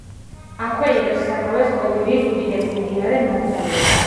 აქვე იღებს სათავეს კოლუმბიის უდიდესი მდინარე მაგდალენა.